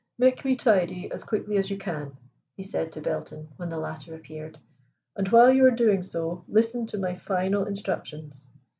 "Make me tidy as quickly as you can," he said to Belton when the latter appeared, "and while you are doing so listen to my final instructions."